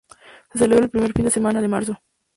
Se celebra el primer fin de semana de marzo.